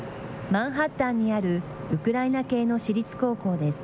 マンハッタンにあるウクライナ系の私立高校です。